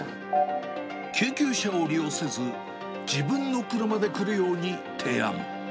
救急車を利用せず、自分の車で来るように提案。